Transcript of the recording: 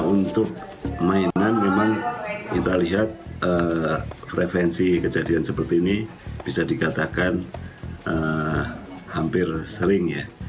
untuk mainan memang kita lihat prevensi kejadian seperti ini bisa dikatakan hampir sering ya